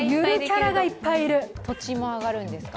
土地も上がるんですか？